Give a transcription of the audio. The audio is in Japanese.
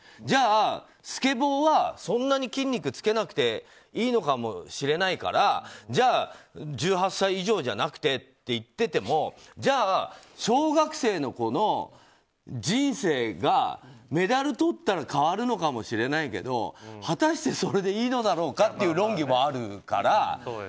じゃあ、スケボーはそんなに筋肉つけなくていいのかもしれないからじゃあ、１８歳以上じゃなくてって言っててもじゃあ小学生の子の人生がメダルとったら変わるのかもしれないけど果たして、それでいいのだろうかっていう論議もあるから。